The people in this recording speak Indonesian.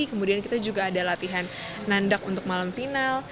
kemudian kita juga ada latihan nandak untuk malam final